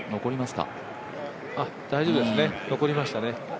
あっ、大丈夫ですね、残りました。